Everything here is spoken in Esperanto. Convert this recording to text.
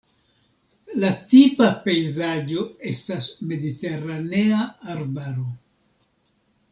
La tipa pejzaĝo estas mediteranea arbaro.